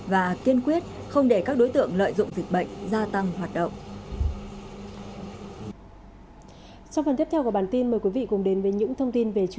và kiên quyết không để các đối tượng lợi dụng dịch bệnh gia tăng hoạt động